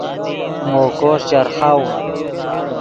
مو کوݰ چرخاؤن